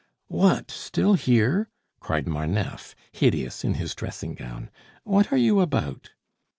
"What, still here!" cried Marneffe, hideous in his dressing gown. "What are you about?"